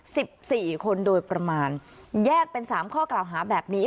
สิบสี่คนโดยประมาณแยกเป็นสามข้อกล่าวหาแบบนี้